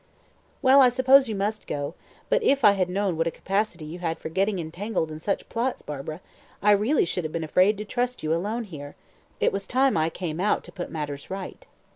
"Well, I suppose you must go, but if I had known what a capacity you had for getting entangled in such plots, Barbara, really I should have been afraid to trust you alone here. It was time I came out to put matters right."